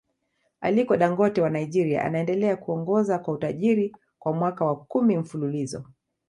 Aliko Dangote wa Nigeria anaendelea kuongoza kwa utajiri kwa mwaka wa Kumi mfululizo